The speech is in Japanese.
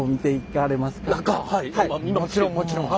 もちろんもちろん。